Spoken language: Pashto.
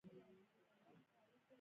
• هر کتاب یو نوی درس لري.